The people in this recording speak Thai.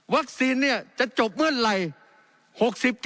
วัคซีนเนี่ยจะจบเมื่อไหร่